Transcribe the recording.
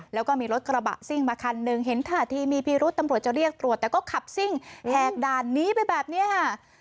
แล้วก็มีรถกระบะซิ่งมาคันหนึ่งเห็นท่าทีมีพิรุษตำรวจจะเรียกตรวจแต่ก็ขับซิ่งแหกด่านนี้ไปแบบนี้ค่ะ